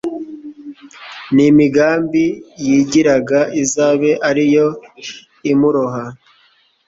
n'imigambi yigiraga izabe ari yo imuroha